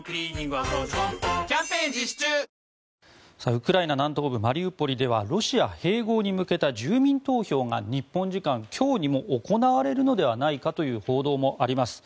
ウクライナ南東部マリウポリではロシア併合に向けた住民投票が日本時間今日にも行われるのではないかという報道もあります。